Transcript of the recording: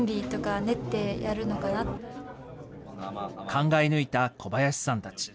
考えぬいた小林さんたち。